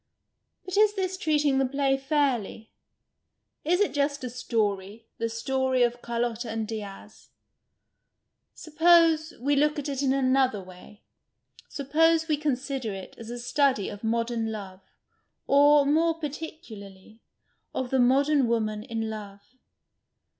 But is this treating the play fairly ? Is it just a story, the story of Carlotta and Diaz ? Suppose we look at it in another way, suppose we consider it as a study of modern love, or, more particularly, of the modern woman in love.